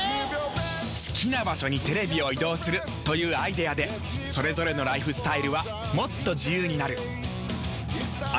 好きな場所にテレビを移動するというアイデアでそれぞれのライフスタイルはもっと自由になる。